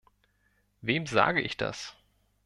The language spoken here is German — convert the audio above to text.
Wem sage ich das!